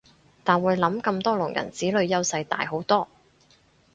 但會諗咁多聾人子女優勢大好多